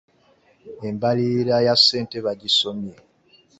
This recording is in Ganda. Embalirira ya ssente bagisoomye.